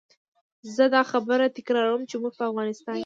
زه دا خبره تکراروم چې موږ په افغانستان کې.